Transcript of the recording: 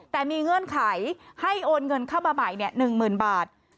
แต่มีเงื่อนไขให้โอนเงินเข้ามาใหม่๑๐๐๐บาท